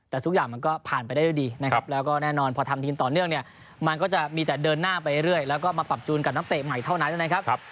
แต่ทุกอย่างมันก็ผ่านไปได้ด้วยดีนะครับแล้วก็แน่นอนพอทำทีมต่อเนื่องเนี่ยมันก็จะมีแต่เดินหน้าไปเรื่อยแล้วก็มาปรับจูนกับนักเตะใหม่เท่านั้นนะครับ